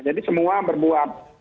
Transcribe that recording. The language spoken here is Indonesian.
jadi semua berbuat